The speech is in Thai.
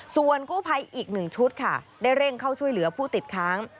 ส่วนกู้ภัยอีก๑ชุดค่ะได้เร่งเข้าช่วยเหลือผู้ติดค้าง